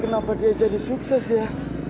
kenapa dia jadi sukses ya